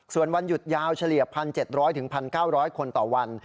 ส่วนวันหยุดยาวเฉลี่ย๑๗๐๐๑๙๐๐คนต่อวัน